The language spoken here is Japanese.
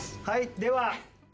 はいでは。